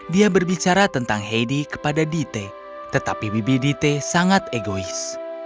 dia berbicara tentang heidi kepada dite tetapi bibi dite sangat egois